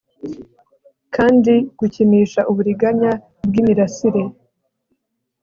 Kandi gukinisha uburiganya bwimirasire